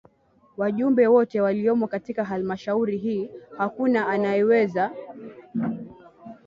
wajumbe wote waliomo katika halmashauri hii hakuna anayeweza